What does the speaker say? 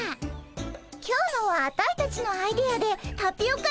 今日のはアタイたちのアイデアでタピオカ入りだよ。